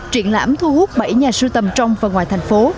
triển lãm thu hút bảy nhà sưu tầm trong và ngoài thành phố